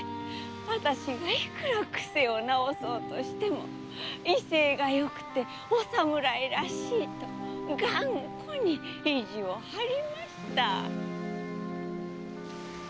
あたしがいくら癖を直そうとしても威勢がよくてお侍らしいと頑固に意地を張りました。